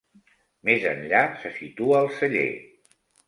Més enllà se situa el celler.